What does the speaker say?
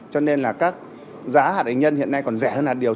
cho nên là các giá hạt nhân hiện nay còn rẻ hơn hạt điều